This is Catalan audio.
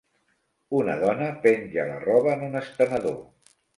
Una dona penja la roba en un estenedor.